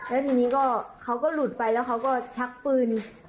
แล้วทีนี้ก็เขาก็หลุดไปแล้วเขาก็ชักปืน